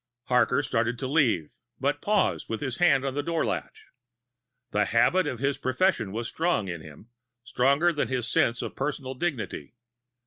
Harker started to leave, but paused, with his hand on the door latch. The habit of his profession was strong in him stronger than his sense of personal dignity.